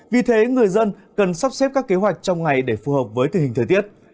vì thế người dân cần sắp xếp các kế hoạch trong ngày để phù hợp với tình hình thời tiết